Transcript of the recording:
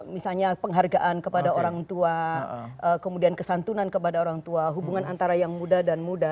misalnya penghargaan kepada orang tua kemudian kesantunan kepada orang tua hubungan antara yang muda dan muda